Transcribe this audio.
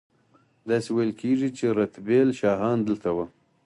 داسې ویل کیږي چې رتبیل شاهان دلته وو